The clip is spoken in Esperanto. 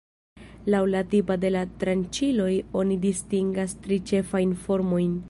Laŭ la tipo de la tranĉiloj oni distingas tri ĉefajn formojn.